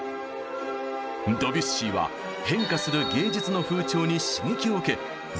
ドビュッシーは変化する芸術の風潮に刺激を受けうん。